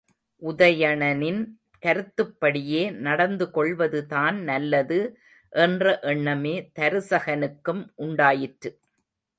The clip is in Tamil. உதயணனின் கருத்துப்படியே நடந்து கொள்வதுதான் நல்லது என்ற எண்ணமே தருசகனுக்கும் உண்டாயிற்று.